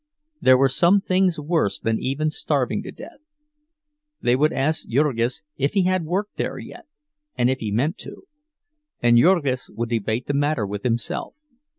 There were some things worse than even starving to death. They would ask Jurgis if he had worked there yet, and if he meant to; and Jurgis would debate the matter with himself.